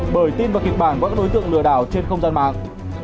bởi tin vào kịch bản với các đối tượng lừa đảo trên không gian mạng